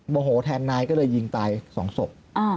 โมโหแทนนายก็เลยยิงตายสองศพ